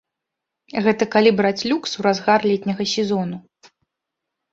Гэта калі браць люкс у разгар летняга сезону.